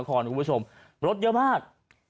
คุณผู้ชมรถเยอะมาก